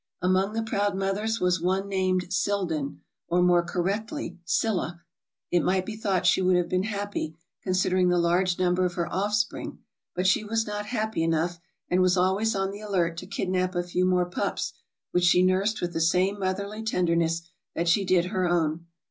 "Among the proud mothers was one named 'Silden,' or more correctly 'Silla.' It might be thought she would have been happy, considering the large number of her offspring, but she was not happy enough, and was always on the alert to kidnap a few more pups, which she nursed with the same motherly tenderness that she did her own.